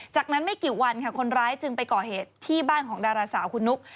จากนั้นไม่กี่วันค่ะคนร้ายจึงไปก่อเหตุที่บ้านของดาราสาวคุณนุ๊ก